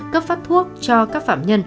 cấp phát thuốc cho các phạm nhân